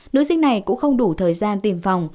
nữ sinh này cũng không đủ thời gian tìm phòng